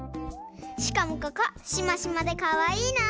しかもここシマシマでかわいいなあ！